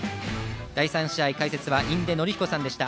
第３試合、解説は印出順彦さんでした。